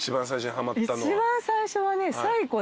一番最初はね。